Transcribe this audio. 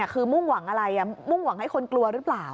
คือมุ่งหวังอะไรมุ่งหวังให้คนกลัวหรือเปล่า